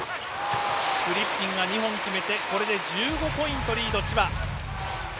フリッピンが２本決めて１５ポイントリード、千葉。